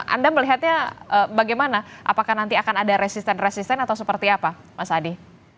anda melihatnya bagaimana apakah nanti akan ada resisten resisten atau seperti apa mas adi